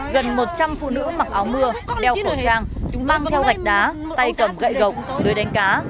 gần một trăm linh phụ nữ mặc áo mưa đeo khẩu trang mang theo gạch đá tay cầm gậy gộc nơi đánh cá